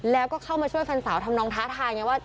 แล้วก็เข้ามาช่วยแฟนสาวทำนองท้าทายไงว่า